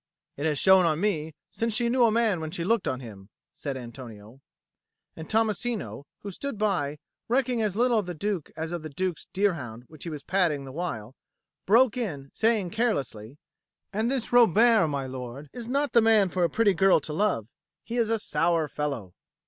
"It has shone on me since she knew a man when she looked on him," said Antonio. And Tommasino, who stood by, recking as little of the Duke as of the Duke's deerhound which he was patting the while, broke in, saying carelessly, "And this Robert, my lord, is not the man for a pretty girl to love. He is a sour fellow."